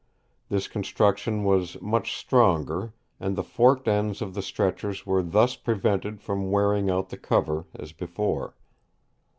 This construction was much stronger, and the forked ends of the stretchers were thus prevented from wearing out the cover, as before.